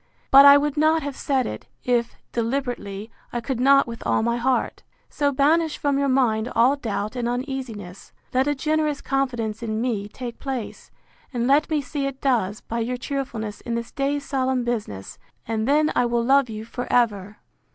But I would not have said it, if, deliberately, I could not with all my heart. So banish from your mind all doubt and uneasiness; let a generous confidence in me take place; and let me see it does, by your cheerfulness in this day's solemn business; and then I will love you for ever!